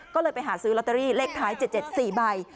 ก็เลยไปหาซื้อลอตเตอรี่เลขท้าย๗๗๔ใบ